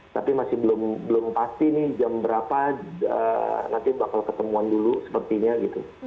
tapi masih belum pasti nih jam berapa nanti bakal ketemuan dulu sepertinya gitu